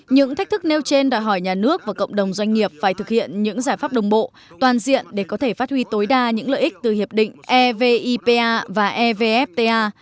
những thách thức nêu trên đòi hỏi nhà nước và cộng đồng doanh nghiệp phải thực hiện những giải pháp đồng bộ toàn diện để có thể phát huy tối đa những lợi ích từ hiệp định evipa và evfta